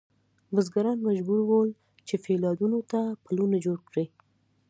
بزګران مجبور ول چې فیوډالانو ته پلونه جوړ کړي.